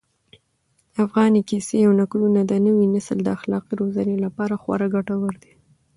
افغاني کيسې او نکلونه د نوي نسل د اخلاقي روزنې لپاره خورا ګټور دي.